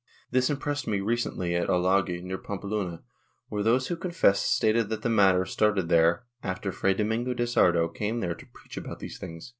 This impressed me recently at Olague, near Pampeluna, where those who confessed stated that the matter started there after Fray Domingo de Sardo came there to preach about these things.